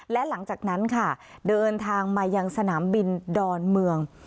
และหลังจากนั้นค่ะเดินทางมายังสนามบินดอนเมือง